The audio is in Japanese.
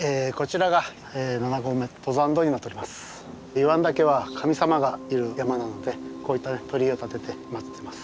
湯湾岳は神様がいる山なのでこういった鳥居を建てて祀ってます。